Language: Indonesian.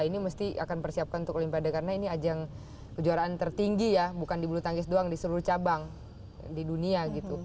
ini mesti akan persiapkan untuk olimpiade karena ini ajang kejuaraan tertinggi ya bukan di bulu tangkis doang di seluruh cabang di dunia gitu